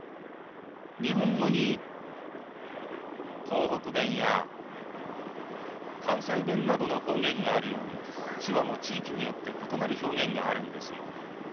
日本語に東北弁や関西弁などの方言があるように手話も地域によって異なる表現があるんですよ。